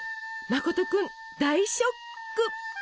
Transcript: まこと君大ショック！